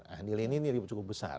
nah nilainya ini cukup besar